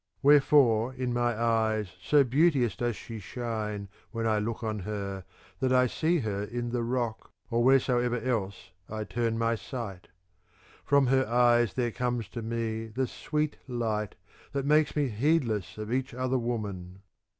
Wherefore in my eyes so beau teous does she shine, when I look on her, that I see her in the rock or wheresoever else I turn my sight. From her eyes there comes to me the sweet light that makes me heedless of each other woman.